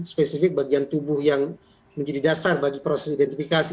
spesifik bagian tubuh yang menjadi dasar bagi proses identifikasi